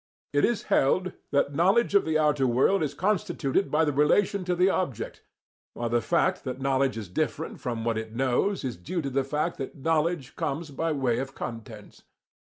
It is held that knowledge of the outer world is constituted by the relation to the object, while the fact that knowledge is different from what it knows is due to the fact that knowledge comes by way of contents.